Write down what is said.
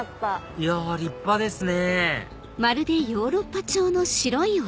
いや立派ですね